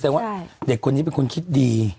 ว่าเด็กคนนี้เป็นคนคิดดี